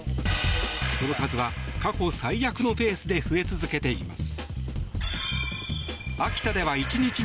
その数は過去最悪のペースで増え続けています。